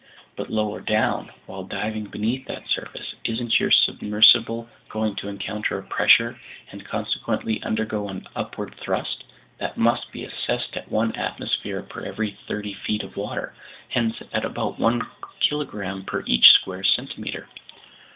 But lower down, while diving beneath that surface, isn't your submersible going to encounter a pressure, and consequently undergo an upward thrust, that must be assessed at one atmosphere per every thirty feet of water, hence at about one kilogram per each square centimeter?"